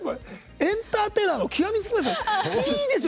エンターテイナーの極め付けですね。